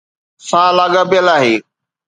سان لاڳاپيل آهي